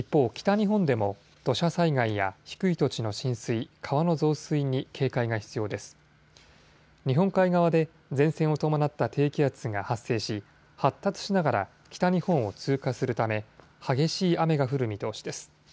日本海側で前線を伴った低気圧が発生し発達しながら北日本を通過するため激しい雨が降る見通しです。